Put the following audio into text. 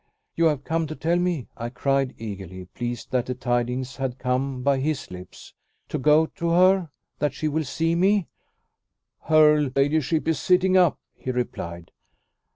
"You have come to tell me " I cried eagerly, pleased that the tidings had come by his lips "to go to her? That she will see me?" "Her ladyship is sitting up," he replied.